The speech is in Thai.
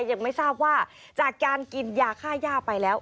ยังไม่ทราบว่าจากการกินยาค่าย่าไปแล้ว